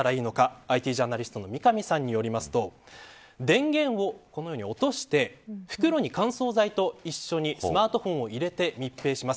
ＩＴジャーナリストの三上さんによると電源を、このように落として袋に乾燥剤と一緒にスマートフォンを入れて密閉します。